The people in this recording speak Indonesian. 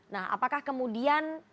nah apakah kemudian